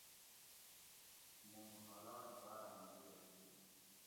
موں حالات باۤر آۤمو لیڷ تھی